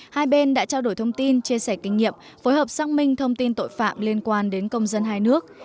hai bên đã trao đổi thông tin chia sẻ kinh nghiệm phối hợp xác minh thông tin tội phạm liên quan đến công dân hai nước